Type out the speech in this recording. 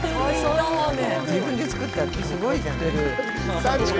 自分で作ったってすごいじゃない。